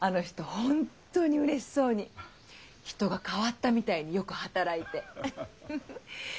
本当にうれしそうに人が変わったみたいによく働いて。